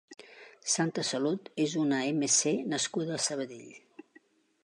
Santa Salut és una mC nascuda a Sabadell.